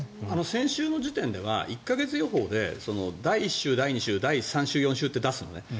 先週の時点では１か月予報で第１週、第２週、第３週第４週って出すのね。